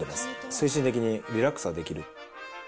精神的にリラックスができる。